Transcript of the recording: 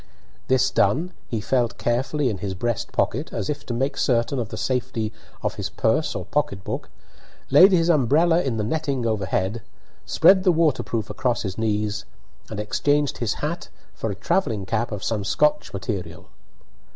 This done, he felt carefully in his breast pocket, as if to make certain of the safety of his purse or pocket book, laid his umbrella in the netting overhead, spread the waterproof across his knees, and exchanged his hat for a travelling cap of some Scotch material.